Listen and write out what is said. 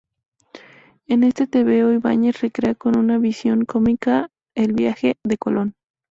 En este tebeo Ibáñez recrea con una visión cómica el viaje de Colón.